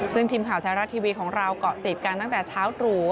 ซึ่งทีมข่าวไทยรัฐทีวีของเราเกาะติดกันตั้งแต่เช้าตรู่